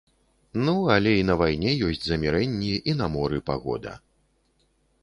Ну, але і на вайне ёсць замірэнні, і на моры пагода.